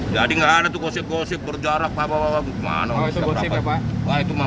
jadi nggak ada tuh gosip gosip berjarak pak